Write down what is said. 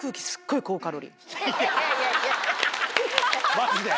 マジで？